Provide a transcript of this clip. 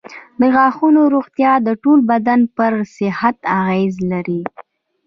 د غاښونو روغتیا د ټول بدن پر صحت اغېز لري.